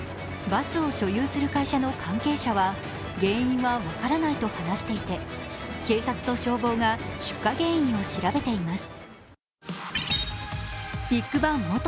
バスを所有する会社の関係者は原因は分からないと話していて警察と消防が出火原因を調べています。